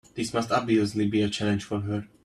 This must obviously be a challenge for her.